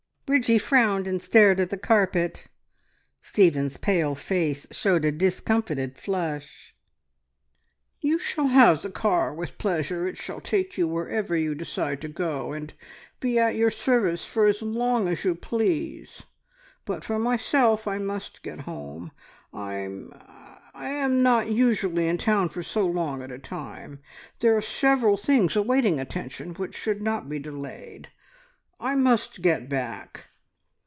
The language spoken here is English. Bridgie frowned, and stared at the carpet; Stephen's pale face showed a discomfited flush. "You shall have the car with pleasure. It shall take you wherever you decide to go, and be at your service for as long as you please, but for myself, I must get home. I I am not usually in town for so long at a time. There are several things waiting attention which should not be delayed. I must get back..."